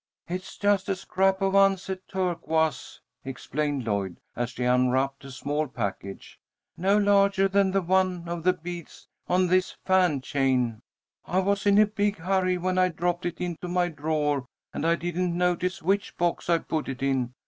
"It's just a scrap of unset turquoise," explained Lloyd, as she unwrapped a small package, "no larger than one of the beads on this fan chain. I was in a big hurry when I dropped it into my drawer, and I didn't notice which box I put it in.